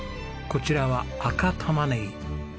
こちらは赤タマネギ。